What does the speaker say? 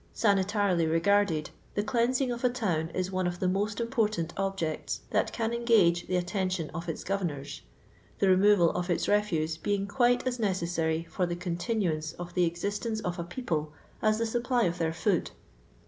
Sanitarily regnrded, the cleansing of a town is one of the most important objects that can engage the atten tion of its goremors ; the remotal of its refuse being quite as necessary for the continuance of the existence of a people as the supply of their food.